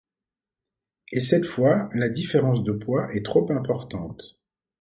Et cette fois, la différence de poids est trop importante.